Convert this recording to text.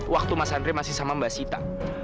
waktu mas andre masih sama mbak sita